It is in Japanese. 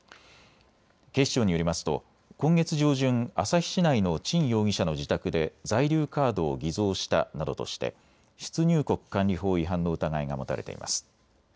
警視庁によりますと今月上旬、旭市内の沈容疑者の自宅で在留カードを偽造したなどとして出入国管理法違反の疑いが持たれています。